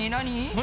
何？